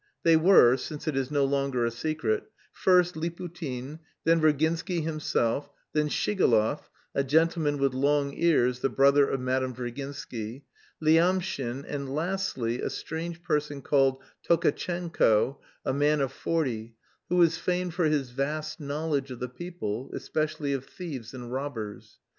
They were since it is no longer a secret first Liputin, then Virginsky himself, then Shigalov (a gentleman with long ears, the brother of Madame Virginsky), Lyamshin, and lastly a strange person called Tolkatchenko, a man of forty, who was famed for his vast knowledge of the people, especially of thieves and robbers.